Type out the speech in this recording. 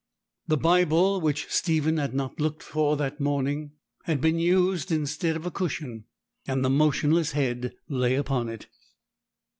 The Bible, which Stephen had not looked for that morning, had been used instead of a cushion, and the motionless head lay upon it.